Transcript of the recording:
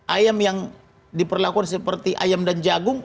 ayam yang diperlakukan seperti ayam dan jagung